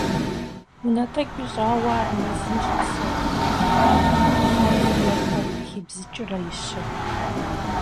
Унэ тӀэкӀу ищӀауэ ар мэзым щыпсэурт, пхъэм зыгуэрхэр къыхибзыкӀрэ ищэу.